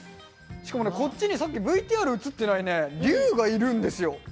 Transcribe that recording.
しかもねこっちにさっきＶＴＲ映ってないね龍がいるんですよ。